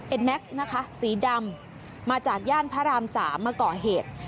แม็กซ์นะคะสีดำมาจากย่านพระรามสามมาก่อเหตุ